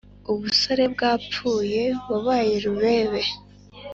Ubusore bwapfuyeWabaye Rubebe